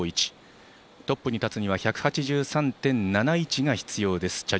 トップに立つには１８３．７１が必要です